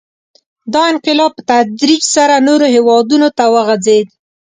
• دا انقلاب په تدریج سره نورو هېوادونو ته وغځېد.